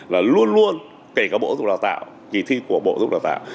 là luôn luôn kể cả bộ giúp đào tạo kỳ thi của bộ giúp đào tạo